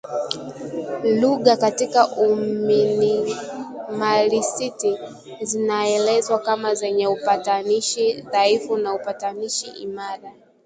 Lugha katika uminimalisti zinaelezwa kama zenye upatanishi dhaifu au upatanishi imara